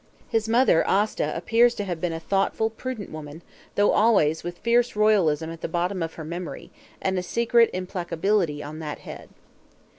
His mother Aasta appears to have been a thoughtful, prudent woman, though always with a fierce royalism at the bottom of her memory, and a secret implacability on that head.